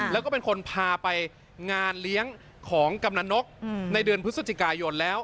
แล้วก็เป็นคนพาไปงานเลี้ยงของกำนันนกในเดือนพฤศจิกายนแล้ว